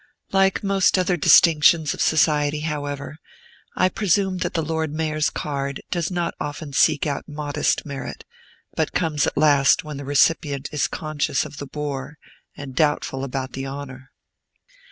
Like most other distinctions of society, however, I presume that the Lord Mayor's card does not often seek out modest merit, but comes at last when the recipient is conscious of the bore, and doubtful about the honor.